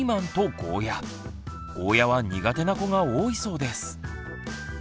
ゴーヤは苦手な子が多いそうです。